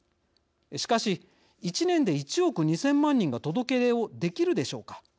しかし、１年で１億２０００万人が届け出をできるでしょうか。